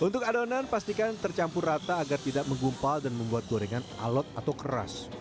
untuk adonan pastikan tercampur rata agar tidak menggumpal dan membuat gorengan alot atau keras